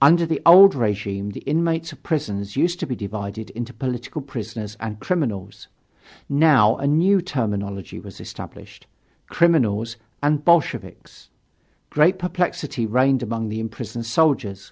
Under the old regime the inmates of prisons used to be divided into political prisoners and criminals. Now a new terminology was established: Criminals and Bolsheviks. Great perplexity reigned among the imprisoned soldiers.